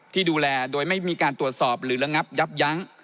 ที่ดูแลโดยไม่มีการตรวจสอบหรือระงับยับยั้ง